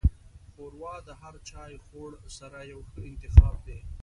ښوروا د هر چایخوړ سره یو ښه انتخاب دی.